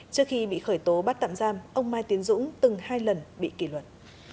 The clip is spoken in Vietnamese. trước khi bị khởi tố bắt tạm giam ông mai tiến dũng từng hai lần bị kỷ luật